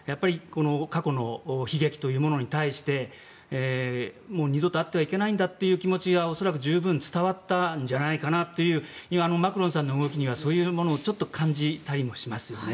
過去の悲劇というものに対して二度とあってはいけないんだという気持ちが恐らく十分伝わったんじゃないかなというマクロンさんの動きにはそういうものを感じたりもしますよね。